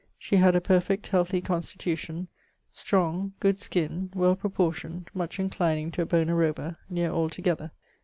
She had a perfect healthy constitution; strong; good skin; well proportioned; much enclining to a Bona Roba (near altogether).